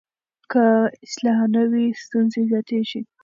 که اصلاح نه وي، ستونزې زیاتېږي.